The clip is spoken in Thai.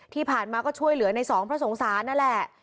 ที่ผ่านมาก็ช่วยเหลือในสองเพราะสงสารนั่นแหละ